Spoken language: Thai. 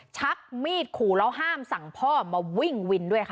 ชักมีดขู่แล้วห้ามสั่งพ่อมาวิ่งวินด้วยค่ะ